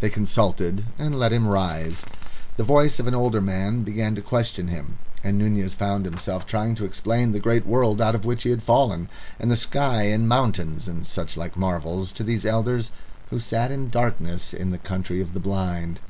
They consulted and let him rise. The voice of an older man began to question him, and Nunez found himself trying to explain the great world out of which he had fallen, and the sky and mountains and sight and such like marvels, to these elders who sat in darkness in the Country of the Blind.